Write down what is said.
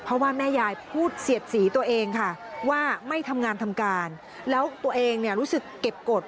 เพราะว่าแม่ยายพูดเสียดสีตัวเองค่ะว่าไม่ทำงานทำการแล้วตัวเองเนี่ยรู้สึกเก็บกฎ